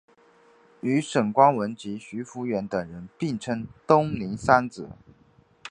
与沈光文及徐孚远等人并称东宁三子。